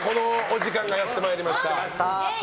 今週もこのお時間がやってまいりました。